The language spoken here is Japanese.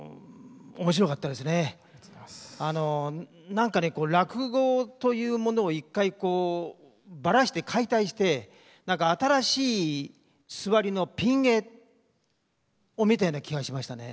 何かね落語というものを一回こうバラして解体して新しい座りのピン芸を見たような気がしましたね。